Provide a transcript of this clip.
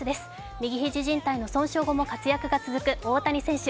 右肘じん帯損傷後も活躍が続く大谷選手。